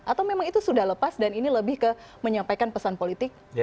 atau memang itu sudah lepas dan ini lebih ke menyampaikan pesan politik